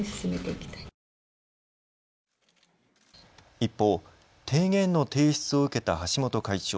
一方、提言の提出を受けた橋本会長。